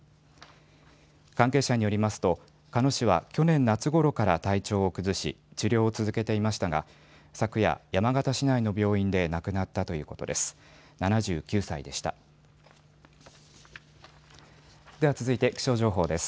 関係者によりますと鹿野氏は去年夏ごろから体調を崩し、治療を続けていましたが昨夜、山形市内の病院で亡くなったということです。